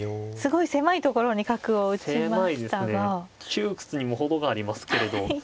窮屈にも程がありますけれど。